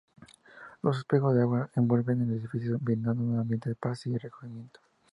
Los espejos de agua envuelven el edificio brindando un ambiente de paz y recogimiento.